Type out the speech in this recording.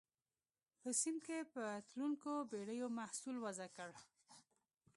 په سیند کې پر تلونکو بېړیو محصول وضع کړ.